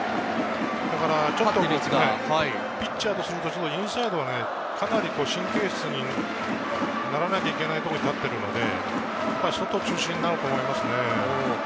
だからピッチャーとすると、ちょっとインサイドかなり神経質にならなきゃいけないところに立っているので、外中心になると思いますね。